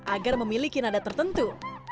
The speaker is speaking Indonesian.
agar memiliki nada tertentu